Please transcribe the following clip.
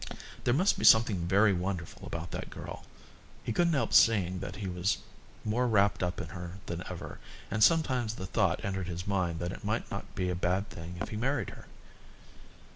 There must be something very wonderful about that girl. He couldn't help seeing that he was more wrapped up in her than ever, and sometimes the thought entered his mind that it might not be a bad thing if he married her.